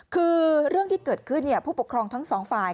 คือเรื่องที่เกิดขึ้นผู้ปกครองทั้งสองฝ่าย